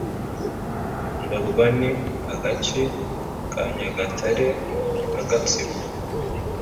Ndorwa Ni agace ka Nyagatare na Gatsibo